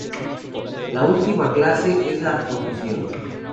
La última clase es la Profesión.